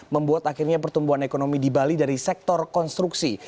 membuat akhirnya pertumbuhan ekonomi di bali dari sektor konstruksi